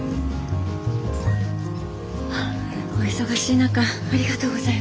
お忙しい中ありがとうございます。